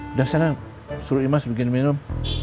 sudah senang suruh imas bikin minum